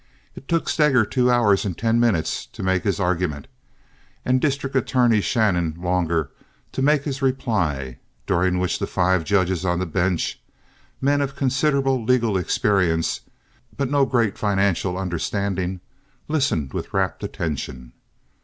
It took Steger two hours and ten minutes to make his argument, and District Attorney Shannon longer to make his reply, during which the five judges on the bench, men of considerable legal experience but no great financial understanding, listened with rapt attention.